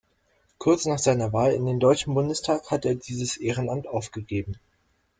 Kurz nach seiner Wahl in den Deutschen Bundestag hat er dieses Ehrenamt aufgegeben.